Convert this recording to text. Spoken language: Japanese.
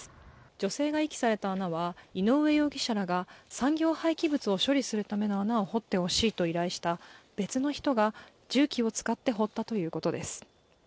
女性ぎ遺棄された穴は、井上容疑者らが産業廃棄物を処理するための穴を掘ってほしいと依頼した別の人が重機を使って掘ったということです。